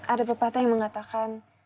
ada pepatah yang mengatakan